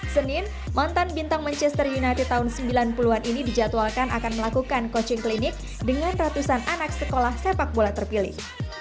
senin mantan bintang manchester united tahun sembilan puluh an ini dijadwalkan akan melakukan coaching klinik dengan ratusan anak sekolah sepak bola terpilih